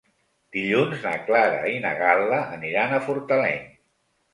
Dilluns na Clara i na Gal·la aniran a Fortaleny.